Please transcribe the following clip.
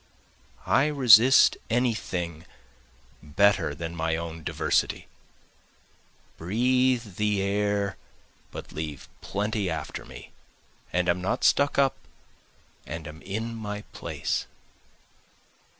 I resist any thing better than my own diversity, Breathe the air but leave plenty after me, And am not stuck up, and am in my place.